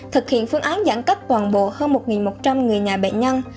thực hiện phương án giãn cách toàn bộ hơn một một trăm linh người nhà bệnh nhân